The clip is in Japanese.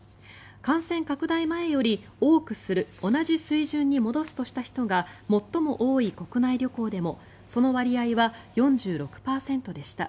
感染拡大前より多くする同じ水準に戻すとした人が最も多い国内旅行でもその割合は４６％でした。